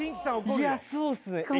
いやそうっすね